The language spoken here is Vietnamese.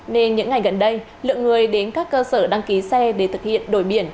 nên những ngày gần đây lượng người đến các cơ sở đăng ký xe để thực hiện đổi biển